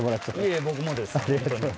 いえ僕もです。